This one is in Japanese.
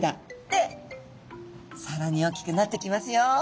でさらにおっきくなってきますよ。